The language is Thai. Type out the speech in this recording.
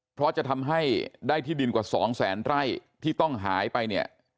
เพราะจะทำให้ได้ที่ดินกว่า๒แสนไร่ที่ต้องหายไปเนี่ย